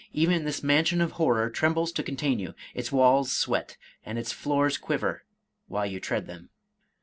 Even this mansion of horror trembles to contain you ; its walls sweat, and its floors quiver, while you tread them."